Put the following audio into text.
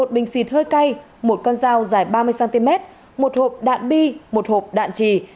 một bình xịt hơi cay một con dao dài ba mươi cm một hộp đạn bi một hộp đạn trì